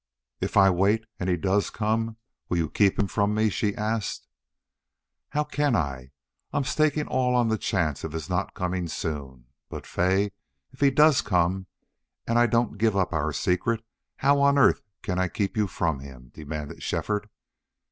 "If I wait and he DOES come will you keep me from him?" she asked. "How can I? I'm staking all on the chance of his not coming soon. ... But, Fay, if he DOES come and I don't give up our secret how on earth can I keep you from him?" demanded Shefford.